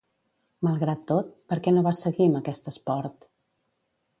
Malgrat tot, per què no va seguir amb aquest esport?